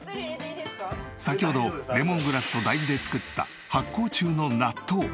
先ほどレモングラスと大豆で作った発酵中の納豆。